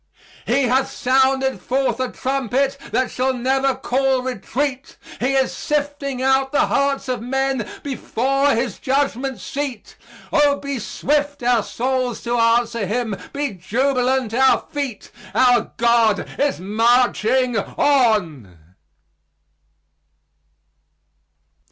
"He hath sounded forth a trumpet that shall never call retreat, He is sifting out the hearts of men before His judgment seat. Oh, be swift our souls to answer Him, be jubilant our feet, Our God is marching on."